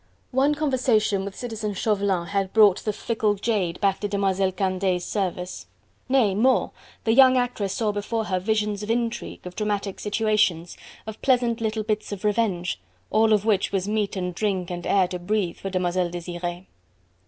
One conversation with Citizen Chauvelin had brought the fickle jade back to Demoiselle Candeilles' service. Nay, more, the young actress saw before her visions of intrigue, of dramatic situations, of pleasant little bits of revenge; all of which was meat and drink and air to breathe for Mademoiselle Desiree.